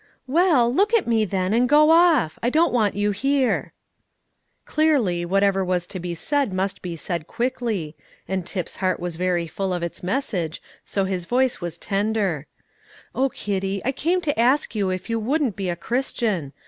"Well, look at me, then, and go off; I don't want you here." Clearly, whatever was to be said must be said quickly, and Tip's heart was very full of its message, so his voice was tender: "Oh, Kitty, I came to ask you if you wouldn't be a Christian.